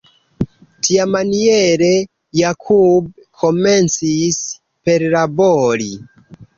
Tiamaniere Jakub komencis perlabori.